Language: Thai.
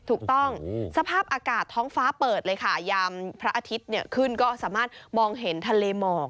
ถูกต้องสภาพอากาศท้องฟ้าเปิดเลยค่ะยามพระอาทิตย์เนี่ยขึ้นก็สามารถมองเห็นทะเลหมอก